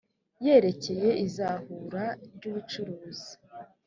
yerekeye izahura ry ubucuruzi